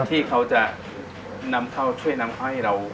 ที่เขาจะนำเข้าช่วยนำเข้าให้เรา